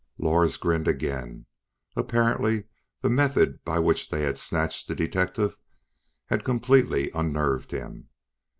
Lors grinned again. Apparently the method by which they had snatched the detective had completely unnerved him.